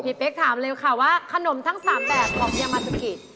พี่เป๊กถามเร็วค่ะว่าขนมทั้ง๓แบบของยามาสกิ